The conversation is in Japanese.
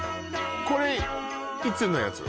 これいつのやつ？